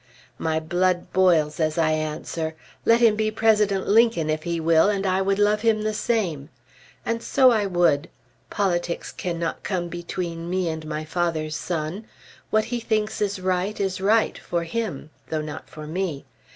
My blood boils as I answer, "Let him be President Lincoln if he will, and I would love him the same." And so I would. Politics cannot come between me and my father's son. What he thinks right, is right, for him, though not for me.